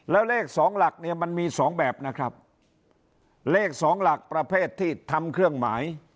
แล้วเลขสองหลักเนี่ยมันมีสองแบบนะครับเลขสองหลักประเภทที่ทำเครื่องหมาย